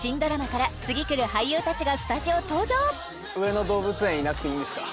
上野動物園いなくていいんですか？